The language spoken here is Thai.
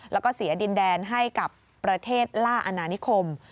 แล้วก็เสียดินแดนให้กับประเทศล่าอนานิคม